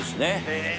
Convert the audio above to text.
へえ